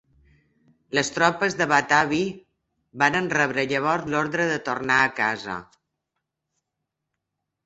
Les tropes de Batavi varen rebre llavors l'ordre de tornar a casa.